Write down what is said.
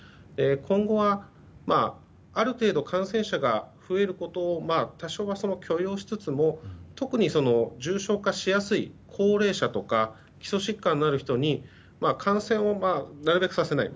今後はある程度感染者が増えることを多少は許容しつつも特に重症化しやすい高齢者とか基礎疾患のある人に感染をなるべくさせない。